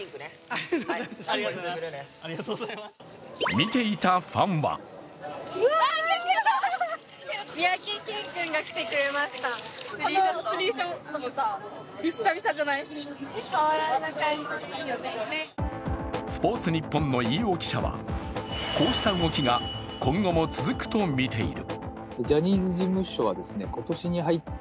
見ていたファンは「スポーツニッポン」の飯尾記者はこうした動きが今後も続くとみている。